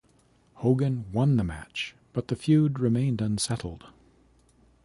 Hogan won the match, but the feud remained unsettled.